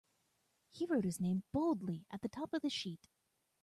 He wrote his name boldly at the top of the sheet.